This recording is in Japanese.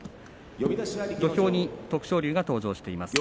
土俵に徳勝龍が登場しています